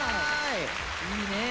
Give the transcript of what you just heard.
いいね。